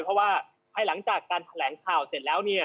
เพราะว่าภายหลังจากการแถลงข่าวเสร็จแล้วเนี่ย